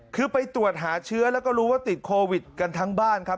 คือไปตรวจหาเชื้อแล้วก็รู้ว่าติดโควิดกันทั้งบ้านครับ